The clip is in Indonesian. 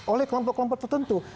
oleh kelompok kelompok tertentu